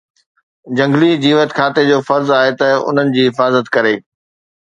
جهنگلي جيوت کاتي جو فرض آهي ته انهن جي حفاظت ڪري